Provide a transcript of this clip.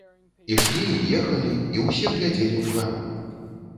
Ішлі і ехалі і ўсе глядзелі ўгару.